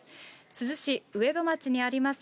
珠洲市うえど町にあります